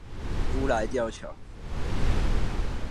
烏來吊橋